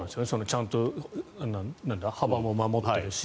ちゃんと幅も守ってるし。